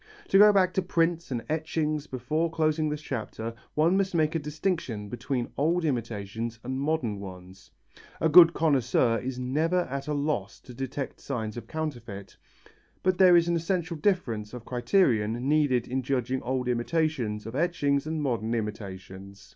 To go back to prints and etchings before closing this chapter one must make a distinction between old imitations and modern ones. A good connoisseur is never at a loss to detect signs of counterfeit, but there is an essential difference of criterion needed in judging old imitations of etchings and modern imitations.